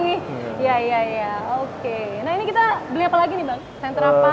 nah ini kita beli apa lagi nih bang